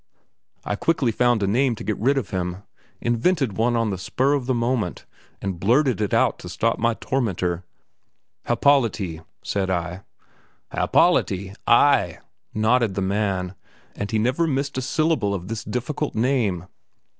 I quickly found a name to get rid of him; invented one on the spur of the moment, and blurted it out to stop my tormentor. "Happolati!" said I. "Happolati, ay!" nodded the man; and he never missed a syllable of this difficult name.